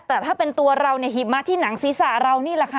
แต่ถ้าเป็นตัวเราเนี่ยหิบมาที่หนังศีรษะเรานี่แหละค่ะ